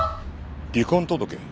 離婚届？